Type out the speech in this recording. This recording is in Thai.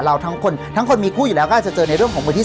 เราทั้งคนทั้งคนมีคู่อยู่แล้วก็จะเจอในเรื่องของคนที่